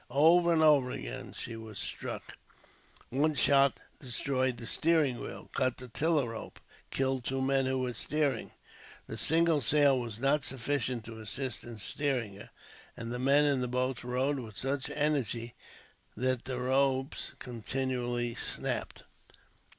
Over and over again she was struck, and one shot destroyed the steering wheel, cut the tiller rope, and killed two men who were steering. The single sail was not sufficient to assist in steering her, and the men in the boats rowed with such energy that the ropes continually snapped.